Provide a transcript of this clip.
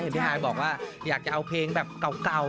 พี่ฮายบอกว่าอยากจะเอาเพลงแบบเก่า